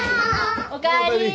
おかえり。